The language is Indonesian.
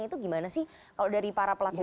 itu gimana sih kalau dari para pelaku